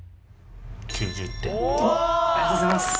ありがとうございます。